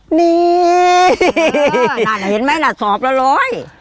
เหนื่อยเหมือนไหมนะสอบละร้อย